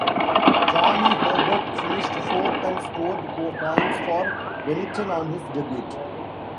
Johnny Herbert finished fourth and scored points for Benetton on his debut.